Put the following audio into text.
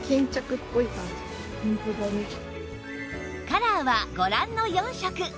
カラーはご覧の４色